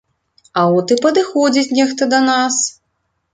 А от і падыходзіць нехта да нас!